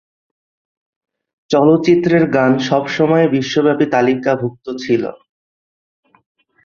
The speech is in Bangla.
চলচ্চিত্রের গান সবসময়ই বিশ্বব্যাপী তালিকাভুক্ত ছিলো।